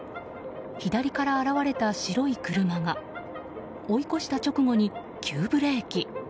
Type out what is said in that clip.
左から現れた白い車が追い越した直後に急ブレーキ。